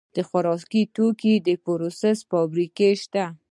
د خوراکي توکو پروسس فابریکې شته